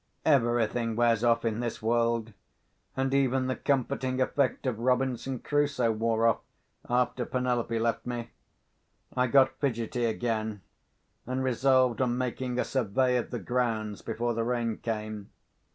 Everything wears off in this world; and even the comforting effect of Robinson Crusoe wore off, after Penelope left me. I got fidgety again, and resolved on making a survey of the grounds before the rain came.